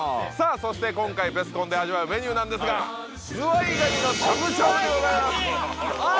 そして今回ベスコンで味わうメニューなんですがズワイガニのしゃぶしゃぶでございますあっ